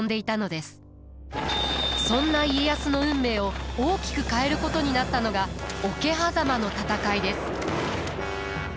そんな家康の運命を大きく変えることになったのが桶狭間の戦いです。